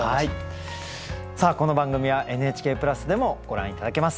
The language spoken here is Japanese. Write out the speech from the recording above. さあこの番組はＮＨＫプラスでもご覧頂けます。